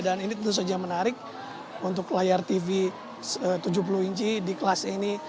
dan ini tentu saja menarik untuk layar tv tujuh puluh inci di kelas ini